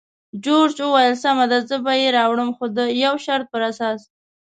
جورج وویل: سمه ده، زه به یې راوړم، خو د یو شرط پر اساس.